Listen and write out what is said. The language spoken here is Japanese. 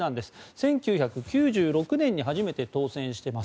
１９９６年に初めて当選しています。